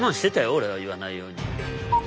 俺は言わないように。